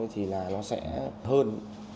thì nó sẽ hơn